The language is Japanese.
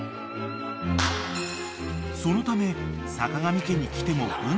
［そのため坂上家に来ても文太は］